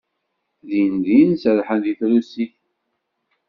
Dindin serrḥen deg trusit.